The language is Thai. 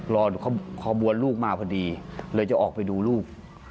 ขบวนลูกมาพอดีเลยจะออกไปดูลูก